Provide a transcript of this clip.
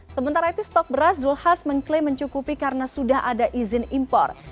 sementara itu stok beras zulkifli hasan mengklaim mencukupi karena sudah ada izin impor